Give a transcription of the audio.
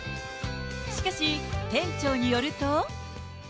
しかし店長によると。